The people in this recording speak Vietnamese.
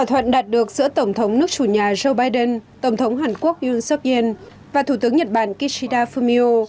thỏa thuận đạt được giữa tổng thống nước chủ nhà joe biden tổng thống hàn quốc yun suk in và thủ tướng nhật bản kishida fumio